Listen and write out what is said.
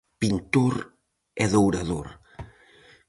Pintor e dourador.